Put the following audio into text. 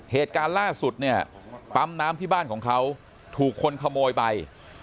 เหตุการณ์ล่าสุดเนี่ยปั๊มน้ำที่บ้านของเขาถูกคนขโมยไป